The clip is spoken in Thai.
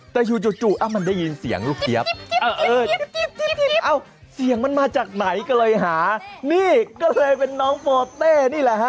แต่จู่มันได้ยินเสียงลูกเจี๊ยบเสียงมันมาจากไหนก็เลยหานี่ก็เลยเป็นน้องโปเต้นี่แหละฮะ